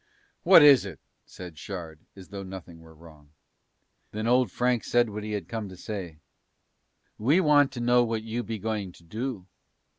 "What is it?" said Shard as though nothing were wrong. Then Old Frank said what he had come to say: "We want to know what you be going to do."